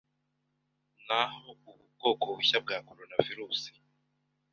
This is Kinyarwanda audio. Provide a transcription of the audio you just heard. n'aho ubu bwoko bushya bwa coronavirus